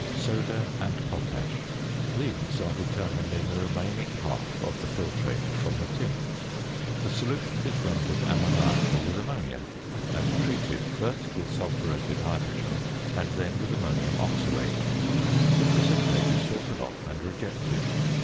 ~Soda and Potash.~ These are determined in the remaining half of the filtrate from the tin. The solution is rendered ammoniacal with ammonia; and treated, first with sulphuretted hydrogen, and then with ammonium oxalate. The precipitate is filtered off and rejected.